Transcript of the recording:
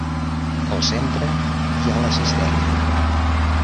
Al centre hi ha la cisterna.